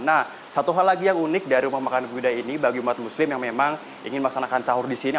nah satu hal lagi yang unik dari rumah makan kuda ini bagi umat muslim yang memang ingin melaksanakan sahur di sini